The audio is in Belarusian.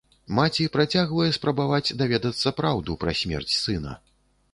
Маці працягвае спрабаваць даведацца праўду пра смерць сына.